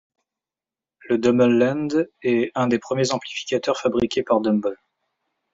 Le Dumbleland est un des premiers amplificateurs fabriqués par Dumble.